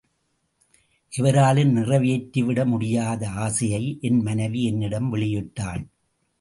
எவராலும் நிறைவேற்றிவிட முடியாத ஆசையை என் மனைவி என்னிடம் வெளியிட்டாள்.